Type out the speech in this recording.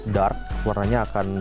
kalau di roasted dark warnanya akan kuning